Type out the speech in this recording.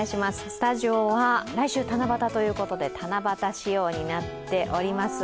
スタジオは来週七夕ということで七夕仕様になっております。